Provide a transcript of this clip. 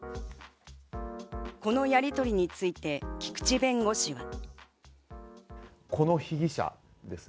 このやりとりについて、菊地弁護士は。